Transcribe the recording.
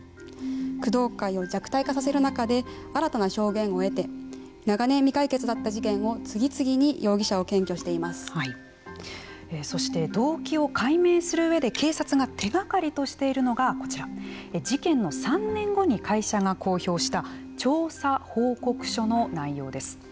工藤会を弱体化させる中で新たな証言を得て長年、未解決だった事件をそして、動機を解明する上で警察が手がかりとしているのがこちら事件の３年後に会社が公表した調査報告書の内容です。